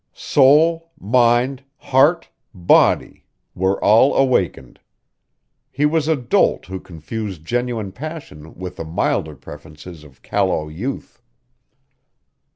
Soul, mind, heart, body were all awakened. He was a dolt who confused genuine passion with the milder preferences of callow youth.